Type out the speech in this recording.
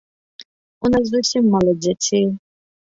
У нас зусім мала дзяцей.